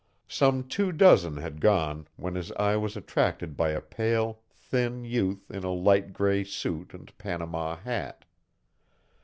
Some two dozen had gone when his eye was attracted by a pale, thin youth in a light gray suit and Panama hat.